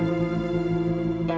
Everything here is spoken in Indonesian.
pak ini pak